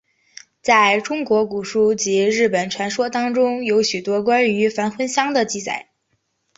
在中国古书及日本传说当中有许多关于返魂香的记载。